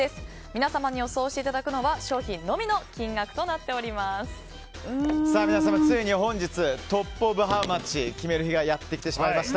皆様に予想していただくのは皆様、ついに本日トップ・オブ・ハウマッチを決める日がやってきました。